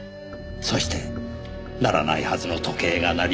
そして鳴らないはずの時計が鳴り。